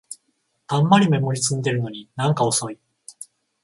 たんまりメモリ積んでるのになんか遅い